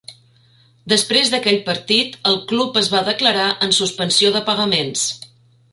Després d'aquell partit el club es va declarar en suspensió de pagaments.